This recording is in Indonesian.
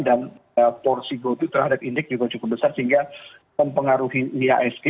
dan porsi gotoh terhadap indeks juga cukup besar sehingga mempengaruhi iasg